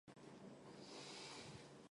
Այս պաշտօնը կը վարէ ցմահ։